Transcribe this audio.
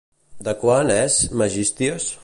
De quan és Megisties?